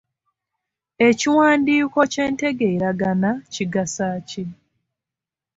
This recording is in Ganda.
Ekiwandiiko ky'entegeeragana kigasa ki?